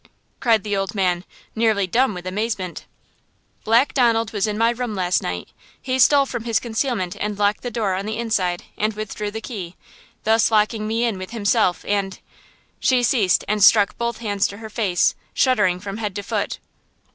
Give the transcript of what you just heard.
cried the old man, nearly dumb with amazement. "Black Donald was in my room last night. He stole from his concealment and locked the door on the inside and withdrew the key, thus locking me in with himself, and–" She ceased and struck both hands to her face, shuddering from head to foot.